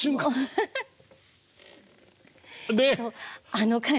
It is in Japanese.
あの感じ。